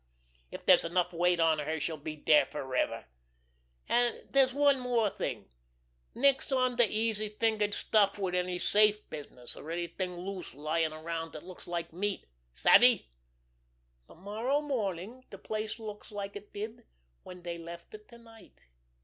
If dere's enough weight on her she'll be dere forever. An' dere's one thing more. Nix on de easy fingered stuff wid any safe business, or anything loose lying around dat looks like meat! Savvy? To morrow morning de place looks like it did when dey left it to night.